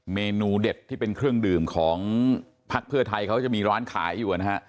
เมนูเด็ดที่เป็นเครื่องดื่มของพักเพื่อไทยเขาจะมีร้านขายอยู่นะฮะ